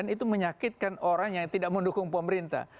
itu menyakitkan orang yang tidak mendukung pemerintah